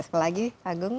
sekali lagi pak agung